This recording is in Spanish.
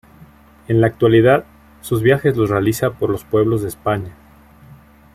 En la actualidad, sus viajes los realiza por los pueblos de España.